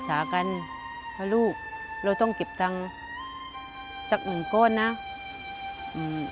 และกับผู้จัดการที่เขาเป็นดูเรียนหนังสือ